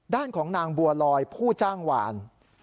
ด้านของนางบัวลอยผู้จ้างหวาน